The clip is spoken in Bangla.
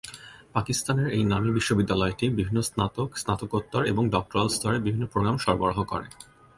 পাকিস্তানের এই নামী বিশ্ববিদ্যালয়টি বিভিন্ন স্নাতক, স্নাতকোত্তর এবং ডক্টরাল স্তরের বিভিন্ন প্রোগ্রাম সরবরাহ করে।